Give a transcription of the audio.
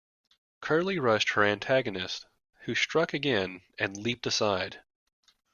Curly rushed her antagonist, who struck again and leaped aside.